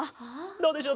どうでしょう？